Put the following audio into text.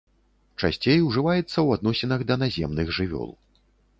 Часцей ужываецца ў адносінах да наземных жывёл.